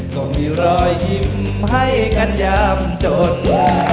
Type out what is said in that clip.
ก็มีรอยยิ้มให้กันยามจน